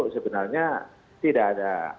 sebenarnya tidak ada